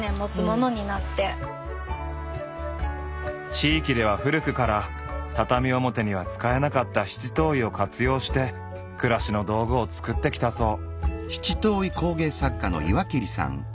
地域では古くから畳表には使えなかった七島藺を活用して暮らしの道具を作ってきたそう。